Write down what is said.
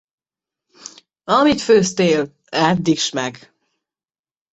Amit főztél, edd is meg!